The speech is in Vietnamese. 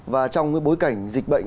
và trong bối cảnh dịch bệnh